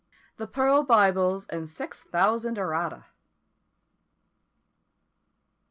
THE PEARL BIBLES AND SIX THOUSAND ERRATA.